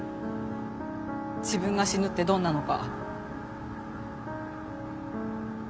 自分が死ぬってどんなのか。